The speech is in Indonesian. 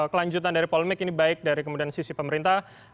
kelanjutan dari polemik ini baik dari kemudian sisi pemerintah